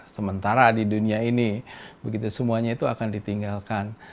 sementara di dunia ini begitu semuanya itu akan ditinggalkan